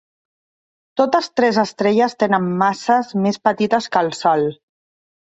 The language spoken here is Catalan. Totes tres estrelles tenen masses més petites que el Sol.